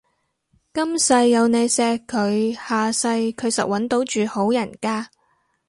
今世有你錫佢，下世佢實搵到住好人家